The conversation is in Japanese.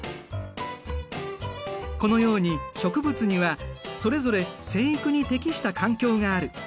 このように植物にはそれぞれ生育に適した環境がある。